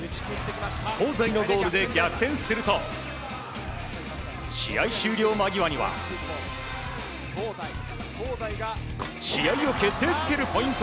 香西のゴールで逆転すると試合終了間際には。試合を決定づけるポイント。